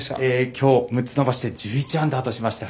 きょう、６つ伸ばして１１アンダーとしました。